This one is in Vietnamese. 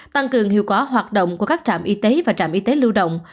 tăng cường hiệu quả hoạt động của các trạm y tế và trạm y tế lưu động